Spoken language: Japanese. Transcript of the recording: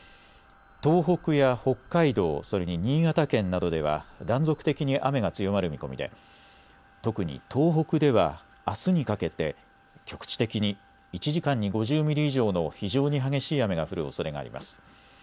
東北や北海道、それに新潟県などでは断続的に雨が強まる見込みで特に東北では、あすにかけて局地的に１時間に５０ミリ以上の非常に激しい雨が降るおそれがあります。